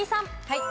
はい。